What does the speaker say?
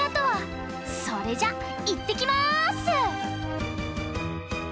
それじゃいってきます！